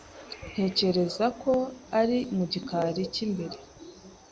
Ntekereza ko ari mu gikari cy'imbere.